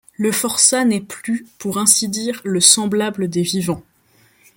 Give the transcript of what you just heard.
Le forçat n’est plus, pour ainsi dire, le semblable des vivants.